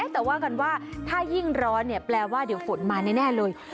แต่ว่ากันว่าถ้ายิ่งร้อนเนี่ยแปลว่าเดี๋ยวฝนมาแน่เลย